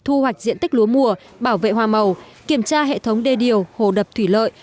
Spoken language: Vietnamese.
thu hoạch diện tích lúa mùa bảo vệ hoa màu kiểm tra hệ thống đê điều hồ đập thủy lợi